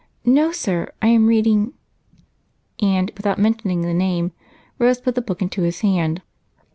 "No, sir, I am reading." And, without mentioning the name, Rose put the book into his hand.